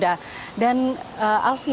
dan alfian saya mendapatkan sedikit